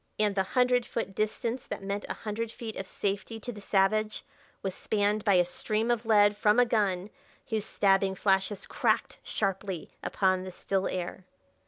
And the hundred foot distance that meant a hundred feet of safety to the savage was spanned by a stream of lead from a gun whose stabbing flashes cracked sharply upon the still air.